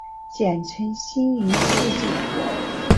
简称新影世纪。